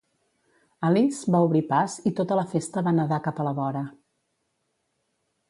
Alice va obrir pas i tota la festa va nedar cap a la vora.